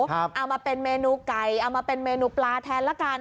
เอามาเป็นเมนูไก่เอามาเป็นเมนูปลาแทนละกัน